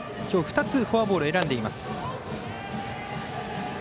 きょう、２つフォアボールを選んでいます。